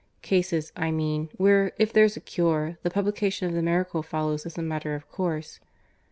Cases, I mean, where, if there's a cure, the publication of the miracle follows as a matter of course.